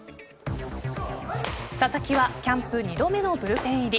佐々木はキャンプ２度目のブルペン入り。